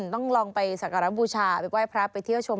ต้องลองไปสักการะบูชาไปไหว้พระไปเที่ยวชม